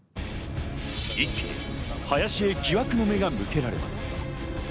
一気に林へ疑惑の目が向けられます。